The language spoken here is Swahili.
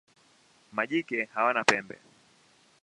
Majike hawana pembe.